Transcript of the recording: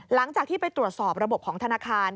หลังจากที่ไปตรวจสอบระบบของธนาคาร